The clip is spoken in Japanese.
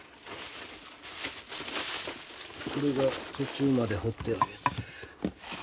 これが途中まで彫ってあるやつ。